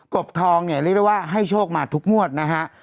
กบทองเนี่ยเรียกได้ว่าให้โชคมาทุกงวดนะฮะ